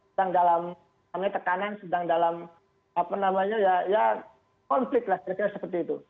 sedang dalam namanya tekanan sedang dalam apa namanya ya konflik lah kira kira seperti itu